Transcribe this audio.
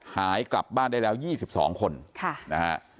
หายกลับบ้านได้แล้ว๒๒คนนะฮะ